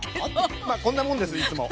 まあこんなもんですいつも。